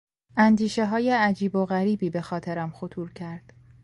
اندیشههای عجیب و غریبی به خاطرم خطور کرد.